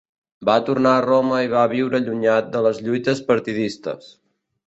Va tornar a Roma i va viure allunyat de les lluites partidistes.